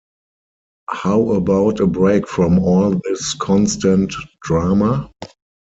How about a break from all this constant drama?